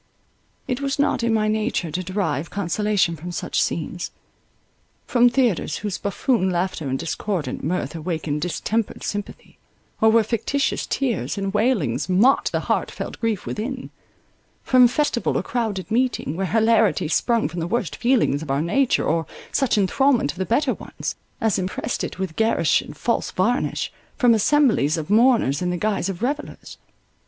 It was not in my nature to derive consolation from such scenes; from theatres, whose buffoon laughter and discordant mirth awakened distempered sympathy, or where fictitious tears and wailings mocked the heart felt grief within; from festival or crowded meeting, where hilarity sprung from the worst feelings of our nature, or such enthralment of the better ones, as impressed it with garish and false varnish; from assemblies of mourners in the guise of revellers.